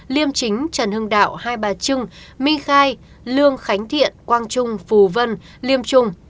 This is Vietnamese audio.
liêm chính trần hưng đạo hai bà trưng my khai lương khánh thiện quang trung phù vân liêm trung